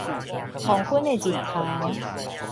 黃昏个日頭